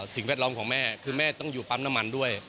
สิ่งแวดล้อมของแม่คือแม่ต้องอยู่ปั๊มน้ำมันด้วย